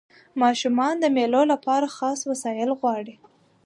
ماشومان د مېلو له پاره خاص وسایل غواړي.